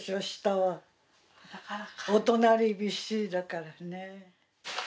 お隣びっしりだからね。